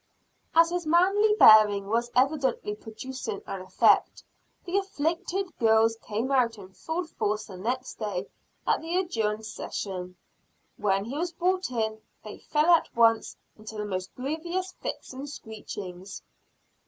As his manly bearing was evidently producing an effect, the "afflicted girls" came out in full force the next day at the adjourned session. When he was brought in, they fell at once into the most grievous fits and screechings.